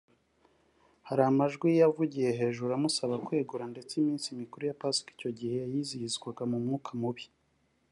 hari amajwi yavugiye hejuru amusaba kwegura ndetse iminsi mikuru ya Pasika icyo gihe yizihizwa mu mwuka mubi